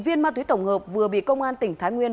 viên ma túy tổng hợp vừa bị công an tỉnh thái nguyên